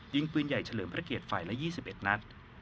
ยิงปืนใหญ่เฉลิมพระเกียรติฝ่ายละ๒๑นัด